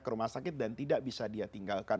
ke rumah sakit dan tidak bisa dia tinggalkan